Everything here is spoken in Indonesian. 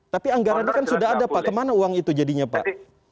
tapi anggarannya kan sudah ada pak kemana uang itu jadinya pak